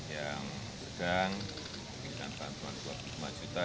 yang segang diberikan bantuan rp dua puluh lima juta